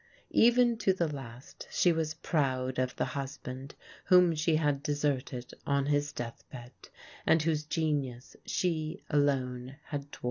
Even to the last she was proud of the husband whom she had deserted on his deathbed, and whose genius she alone had dwarfed.